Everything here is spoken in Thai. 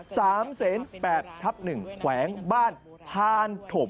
๓๘๑เทับหนึ่งแขวงบ้านพานธม